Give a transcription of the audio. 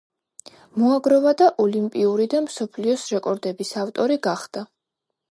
მოაგროვა და ოლიმპიური და მსოფლიოს რეკორდების ავტორი გახდა.